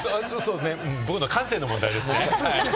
僕の感性の問題ですね。